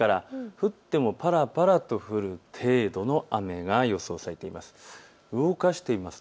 降ってもぱらぱらと降る程度の雨が予想されています。